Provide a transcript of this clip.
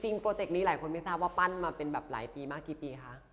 โปรเจกต์นี้หลายคนไม่ทราบว่าปั้นมาเป็นแบบหลายปีมากกี่ปีคะ